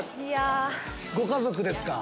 ご家族ですか。